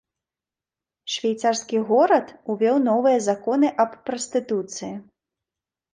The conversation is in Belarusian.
Швейцарскі горад увёў новыя законы аб прастытуцыі.